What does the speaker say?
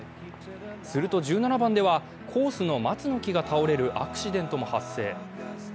すると、１７番では、コースの松の木が倒れるアクシデントも発生。